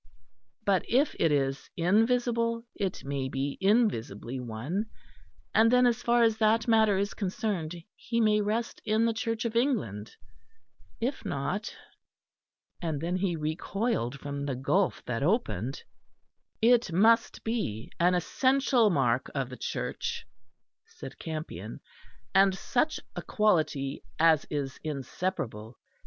But if it is invisible, it may be invisibly one, and then as far as that matter is concerned, he may rest in the Church of England. If not and then he recoiled from the gulf that opened. "It must be an essential mark of the Church," said Campion, "and such a quality as is inseparable.